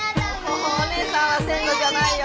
もうお姉さんは線路じゃないよ。